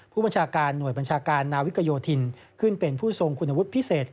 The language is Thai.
ผู้บัญชาการหน่วยบัญชาการนาวิกโยธินขึ้นเป็นผู้ทรงคุณวุฒิพิเศษ